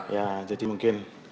ya jadi mungkin